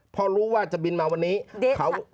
เพราะรู้ว่าจะบินมาวันนี้เขา